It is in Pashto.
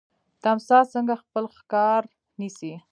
تمساح څنګه خپل ښکار نیسي؟